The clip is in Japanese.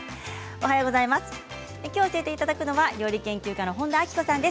きょう教えていただくのは料理研究家の本田明子さんです。